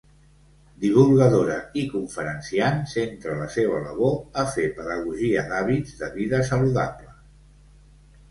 Divulgadora i conferenciant, centra la seva labor a fer pedagogia d'hàbits de vida saludables.